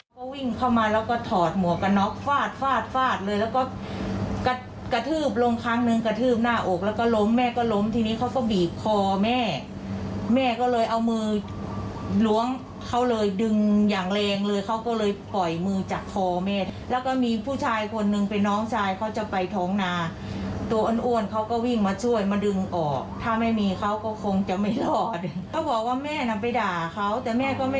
เขาวิ่งเข้ามาแล้วก็ถอดหมวกกันน็อกฟาดฟาดฟาดเลยแล้วก็กระทืบลงครั้งนึงกระทืบหน้าอกแล้วก็ล้มแม่ก็ล้มทีนี้เขาก็บีบคอแม่แม่ก็เลยเอามือล้วงเขาเลยดึงอย่างแรงเลยเขาก็เลยปล่อยมือจากคอแม่แล้วก็มีผู้ชายคนนึงเป็นน้องชายเขาจะไปท้องนาตัวอ้วนอ้วนเขาก็วิ่งมาช่วยมาดึงออกถ้าไม่มีเขาก็คงจะไม่รอดเขาบอกว่าแม่น่ะไปด่าเขาแต่แม่ก็ไม่